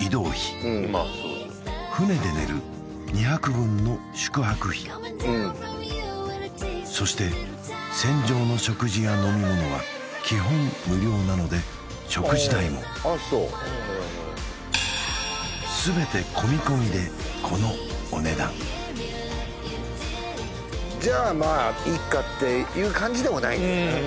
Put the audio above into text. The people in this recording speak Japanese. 移動費船で寝る２泊分の宿泊費そして船上の食事や飲み物は基本無料なので食事代も全て込み込みでこのお値段「じゃあまあいいか」っていう感じでもないんだよね